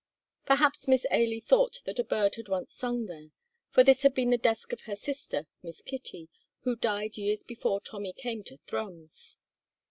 Perhaps Miss Ailie thought that a bird had once sung there, for this had been the desk of her sister, Miss Kitty, who died years before Tommy came to Thrums.